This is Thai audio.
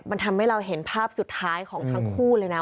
มันทำให้เราเห็นภาพสุดท้ายของทั้งคู่เลยนะ